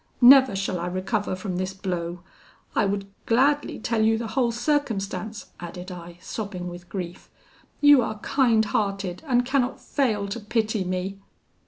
Never shall I recover from this blow! I would gladly tell you the whole circumstance,' added I, sobbing with grief; 'you are kind hearted, and cannot fail to pity me.'